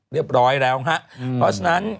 เรียบร้อยแล้วฮะเพราะฉะนั้น